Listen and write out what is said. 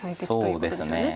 そうですね。